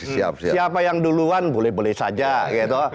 siapa yang duluan boleh boleh saja gitu